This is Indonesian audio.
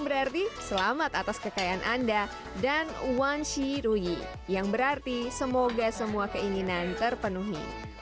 berarti selamat atas kekayaan anda dan wan shi ru yi yang berarti semoga semua keinginan terpenuhi